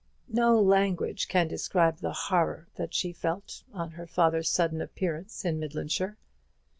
No language can describe the horror that she felt on her father's sudden appearance in Midlandshire.